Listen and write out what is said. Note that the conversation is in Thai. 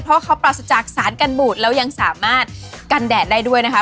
เพราะเขาปราศจากสารกันบูดแล้วยังสามารถกันแดดได้ด้วยนะคะ